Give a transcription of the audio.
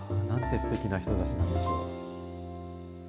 すてきな人たちなんでしょう。